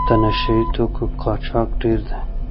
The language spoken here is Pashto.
د نشه یي توکو قاچاق ډېر دی.